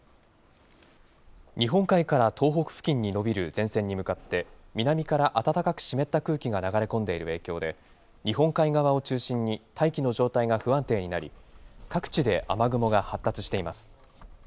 日本海から東北付近に延びる前線に向かって、南から暖かく湿った空気が流れ込んでいる影響で、日本海側を中心に、大気の状態が不安定になり、各地で雨雲が発達しています。